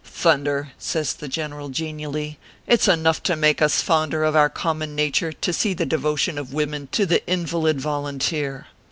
Thun der !" says the general, genially, " it s enough to make us fonder of our common nature to see the devotion of women to the invalid volunteer.